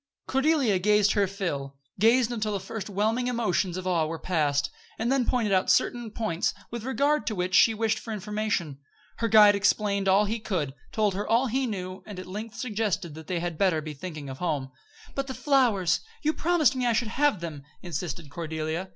Cordelia gazed her fill gazed until the first whelming emotions of awe were past, and then pointed out certain points with regard to which she wished for information. Her guide explained all he could told her all he knew; and at length suggested that they had better be thinking of home. "But the flowers! You promised me I should have them," insisted Cordelia.